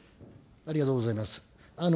ありがとうございます。